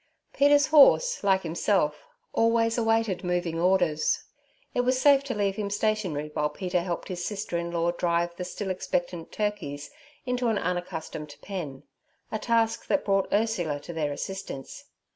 Peter's horse, like himself, always awaited moving orders. It was safe to leave him stationary while Peter helped his sister in law drive the still expectant turkeys into an unaccustomed pen—a task that brought Ursula to their assistance.